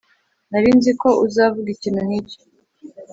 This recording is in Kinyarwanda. Nari nzi ko uzavuga ikintu nkicyo